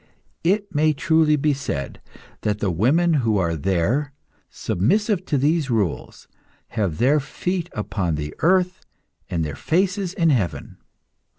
It may truly be said that the women who are there, submissive to these rules, have their feet upon earth and their faces in heaven.